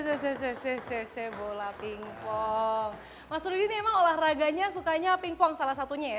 sejajar sejajar bola pingpong masud ini emang olahraganya sukanya pingpong salah satunya ya